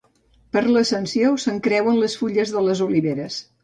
Per l'Ascensió, s'encreuen les fulles de les oliveres.